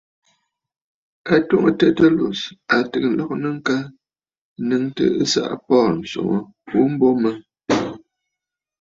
A twoŋə̀ Tertullus, a tɨgə̀ ǹlɔgɨnə ŋka nnɨŋtə ɨsaʼa Paul, ǹswoŋə ghu mbo mə.